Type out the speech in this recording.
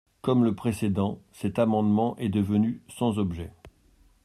Comme le précédent, cet amendement est devenu sans objet.